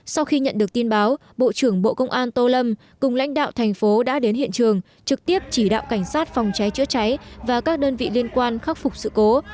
sau khi nhận được tin báo bộ trưởng bộ công an tô lâm cùng lãnh đạo thành phố đã đến hiện trường trực tiếp chỉ đạo cảnh sát phòng cháy chữa cháy và các đơn vị liên quan khắc phục sự cố